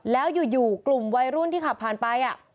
แล้วอยู่กลุ่มวัยรุ่นที่ขับผ่านไป